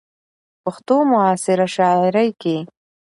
،پښتو معاصره شاعرۍ کې